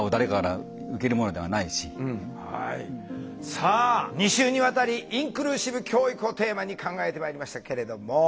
さあ２週にわたりインクルーシブ教育をテーマに考えてまいりましたけれども。